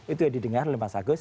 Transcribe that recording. itu yang didengar oleh mas agus